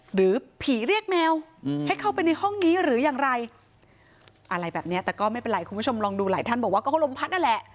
หรือผีเรียกแมวให้เข้าไปในห้องนี้หรืออย่างไรอะไรแบบเนี้ยแต่ก็ไม่เป็นไรคุณผู้ชมลองดูหลายท่านบอกว่าก็เขาลมพัดนั่นแหละ